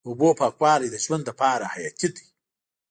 د اوبو پاکوالی د ژوند لپاره حیاتي دی.